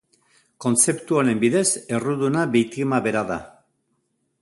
Kontzeptu honen bidez erruduna biktima bera da.